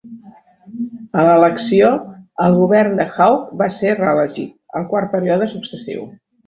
A l'elecció, el govern de Hawke va ser reelegit, el quart període successiu.